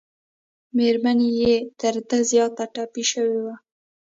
مېرمن یې تر ده زیاته ټپي شوې وه.